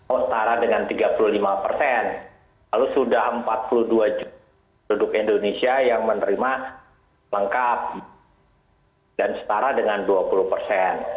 oh setara dengan tiga puluh lima persen lalu sudah empat puluh dua juta penduduk indonesia yang menerima lengkap dan setara dengan dua puluh persen